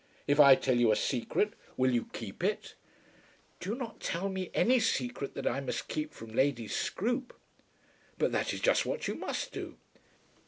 If I tell you a secret will you keep it?" "Do not tell me any secret that I must keep from Lady Scroope." "But that is just what you must do."